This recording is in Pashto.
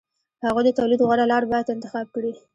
هغوی د تولید غوره لار باید انتخاب کړي